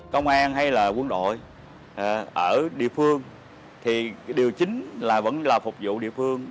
công an hay là quân đội ở địa phương thì điều chính là vẫn là phục vụ địa phương